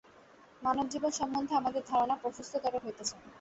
মানবজীবন সম্বন্ধে আমাদের ধারণা প্রশস্ততর হইতেছে।